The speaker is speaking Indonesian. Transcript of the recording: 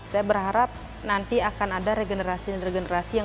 saya berharap nanti akan ada regenerasi yang lebih baik